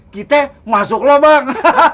kita masuk lubang